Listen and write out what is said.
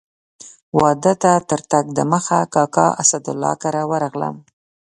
واده ته تر تګ دمخه کاکا اسدالله کره ورغلم.